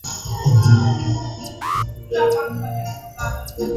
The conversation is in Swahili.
kwenye mkutano zilisababisha vifo vya watu wawili na wengine kujeruhiwa